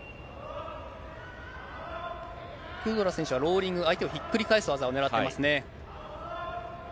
クドラ選手はローリング、相手をひっくり返す技をねらっていますね。